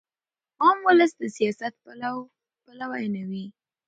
عام ولس د سیاست پلوی نه وي.